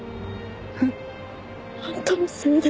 えっ？あんたのせいで。